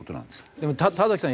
でも田さん